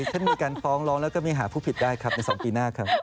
ท่านมีการฟ้องร้องแล้วก็ไม่หาผู้ผิดได้ครับใน๒ปีหน้าครับ